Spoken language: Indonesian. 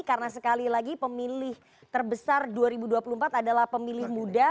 karena sekali lagi pemilih terbesar dua ribu dua puluh empat adalah pemilih muda